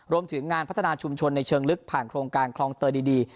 รวมถึงงานพัฒนาชุมชนในเชิงลึกผ่านโครงการคลองเตยดี